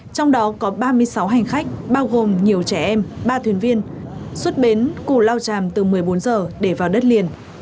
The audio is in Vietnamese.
trong đó có ba mươi sáu hành khách bao gồm nhiều trẻ em ba thuyền viên xuất bến cù lao tràm từ một mươi bốn giờ để vào đất liền